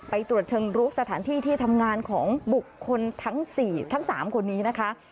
ตรวจเชิงลุกสถานที่ที่ทำงานของบุคคลทั้ง๔ทั้ง๓คนนี้นะคะ